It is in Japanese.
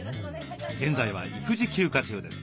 現在は育児休暇中です。